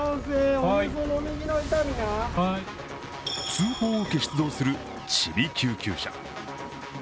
通報を受け、出動するちび救急車。